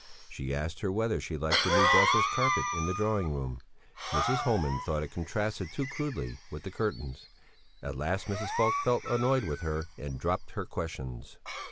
She asked her whether she liked the new Brussels carpet in the drawing room; Mrs. Homan thought it contrasted too crudely with the curtains; at last Mrs. Falk felt annoyed with her and dropped her questions.